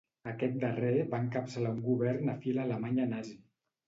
Aquest darrer va encapçalar un govern afí a l'Alemanya nazi.